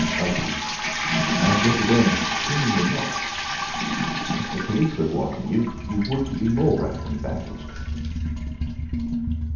—Ugly!" And yet again, "Seemingly not. If the police was wanting you you couldn't be more wropped and bandaged."